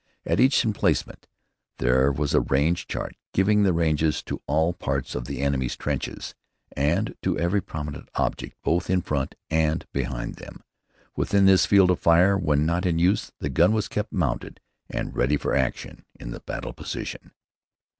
At each emplacement there was a range chart giving the ranges to all parts of the enemy's trenches, and to every prominent object both in front of and behind them, within its field of fire. When not in use the gun was kept mounted and ready for action in the battle position.